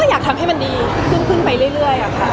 อยากทำให้มันดีขึ้นไปเรื่อยค่ะ